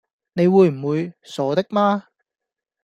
你會唔會？傻的嗎！